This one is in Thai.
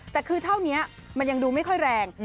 แต่คือเท่านี้มันยังดูไม่ค่อยแรง